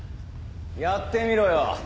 やってみろよ。